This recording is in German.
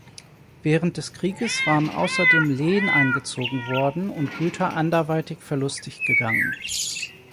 Während des Krieges waren außerdem Lehen eingezogen worden und Güter anderweitig verlustig gegangen.